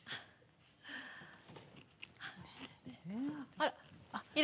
あら。